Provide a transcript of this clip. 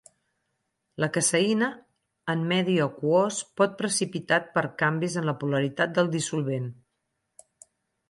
La caseïna en medi aquós pot precipitat per canvis en la polaritat del dissolvent.